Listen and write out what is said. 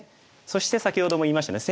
そして先ほども言いましたね。